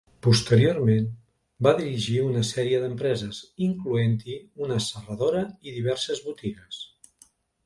Posteriorment va dirigir una sèrie d'empreses, incloent-hi una serradora i diverses botigues.